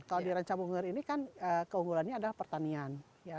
kalau di rancabunger ini kan keunggulannya adalah pertanian